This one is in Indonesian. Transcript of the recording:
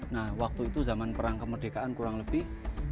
nah waktu itu zaman perang kemerdekaan kurang lebih